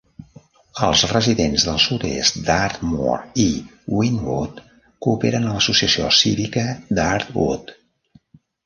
Els residents del sud-est d'Ardmore i Wynnewood cooperen a l'Associació Cívica d'ArdWood.